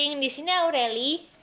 hai ah aurel